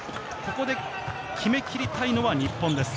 ここで決め切りたいのは日本です。